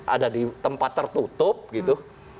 ada di tempat tertutup gitu